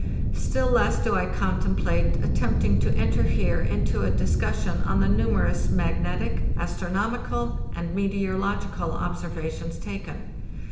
Still less do I contemplate attempting to enter here into a discussion on the numerous magnetic, astronomical, and meteo rological observations taken.